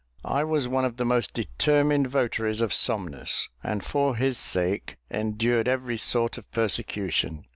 I was one of the most determined votaries of Somnus; and for his sake, endured every sort of persecution.